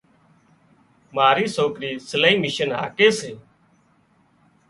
ماري سوڪريون سلائي مِشين هاڪي سي